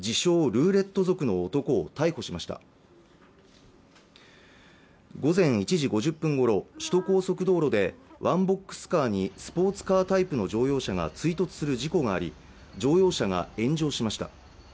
ルーレット族の男を逮捕しました午前１時５０分ごろ首都高速道路でワンボックスカーにスポーツカータイプの乗用車が追突する事故があり乗用車が炎上しました